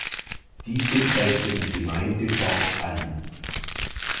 Diese prägte die Gemeinde fortan.